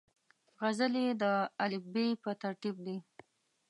غزلې د الفبې پر ترتیب دي.